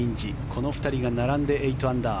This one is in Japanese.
この２人が並んで８アンダー。